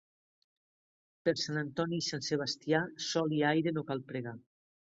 Per Sant Antoni i Sant Sebastià, sol i aire no cal pregar.